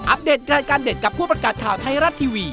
อัปเดตการณ์การเดทกับผู้ประกาศข่าวไทรัตทีวี